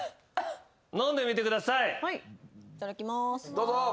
どうぞ。